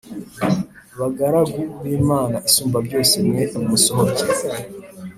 bagaragu b Imana Isumbabyose mwe nimusohoke